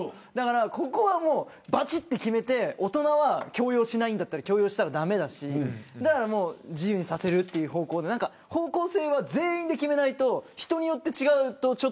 ここは、ばちっと決めて大人は強要しないんだったら強要したら駄目だし自由にさせるなら自由にさせるで方向性を全員で決めないと人によって違うとか